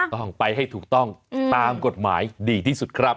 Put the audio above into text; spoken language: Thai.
ต้องไปให้ถูกต้องตามกฎหมายดีที่สุดครับ